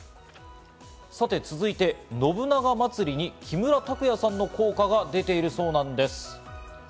さて続いて、信長まつりに木村拓哉さんの効果が出ているそうなんです。